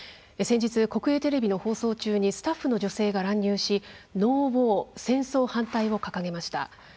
先日、国営テレビの放送中にスタッフの女性が乱入し「ＮＯＷＡＲ」戦争反対を掲げました。